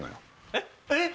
えっ？